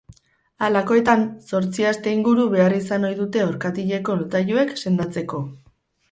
Halakoetan, zortzi aste inguru behar izan ohi dute orkatileko lotailuek sendatzeko.